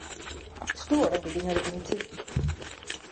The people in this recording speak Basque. Ez du oraindik inorekin itxi.